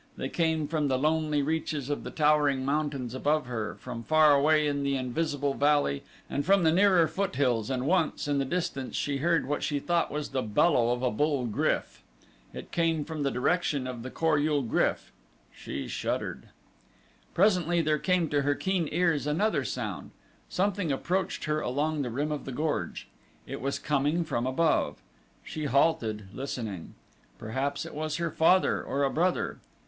They came from the lonely reaches of the towering mountains above her, from far away in the invisible valley and from the nearer foothills and once, in the distance, she heard what she thought was the bellow of a bull GRYF. It came from the direction of the Kor ul GRYF. She shuddered. Presently there came to her keen ears another sound. Something approached her along the rim of the gorge. It was coming from above. She halted, listening. Perhaps it was her father, or a brother.